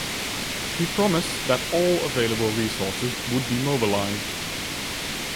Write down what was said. He promised that all available resources would be mobilised.